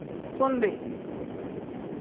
Fundi.